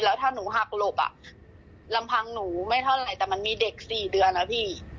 แล้วถ้าหนูหักหลบอ่ะลำพังหนูไม่เท่าไหร่แต่มันมีเด็ก๔เดือนนะพี่